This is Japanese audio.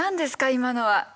今のは。